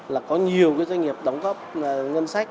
là có nhiều doanh nghiệp đóng góp ngân sách